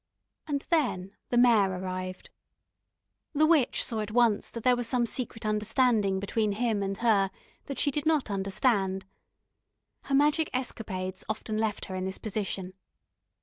And then the Mayor arrived. The witch saw at once that there was some secret understanding between him and her that she did not understand. Her magic escapades often left her in this position.